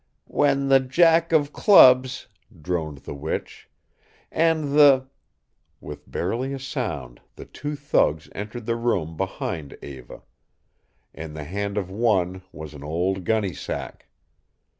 "When the jack of clubs," droned the witch, "and the " With barely a sound the two thugs entered the room behind Eva. In the hand of one was an old gunny sack.